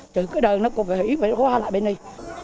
chứ cái đơn nó cũng phải qua lại bên đây